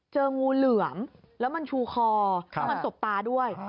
เจองูเหลือมแล้วมันชูคอแล้วมันสบตาด้วย